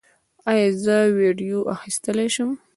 ایا زه ویډیو اخیستلی شم؟